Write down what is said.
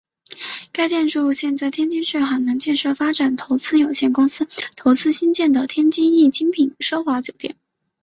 该建筑现为天津市海河建设发展投资有限公司投资兴建的天津易精品奢华酒店。